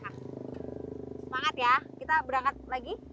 semangat ya kita berangkat lagi